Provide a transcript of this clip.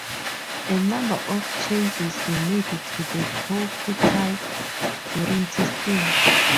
A number of changes were made to the prototype during testing.